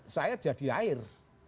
saya jadi air